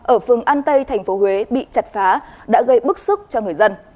ở phường an tây tp huế bị chặt phá đã gây bức xúc cho người dân